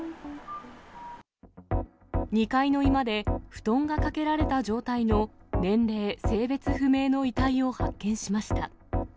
２階の居間で布団がかけられた状態の、年齢、性別不明の遺体を発見しました。